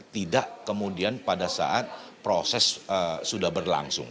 tidak kemudian pada saat proses sudah berlangsung